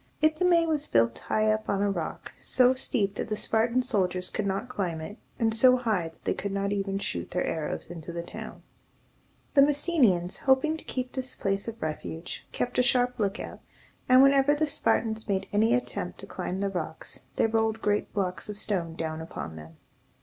Ithome was built high up on a rock, so steep that the Spartan soldiers could not climb it, and so high that they could not even shoot their arrows into the town. The Messenians, hoping to keep this place of refuge, kept a sharp lookout, and, whenever the Spartans made any attempt to climb the rocks, they rolled great blocks of stone down upon them.